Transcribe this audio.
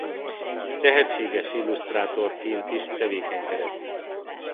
Tehetséges illusztrátorként is tevékenykedett.